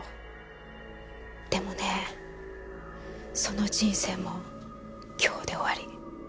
でもねぇその人生も今日で終わり。